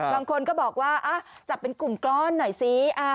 บางคนก็บอกว่าจับเป็นกลุ่มก้อนหน่อยสิ